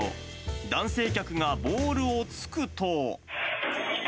男性客がボールを突くと。